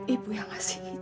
ibu yang ngasih izin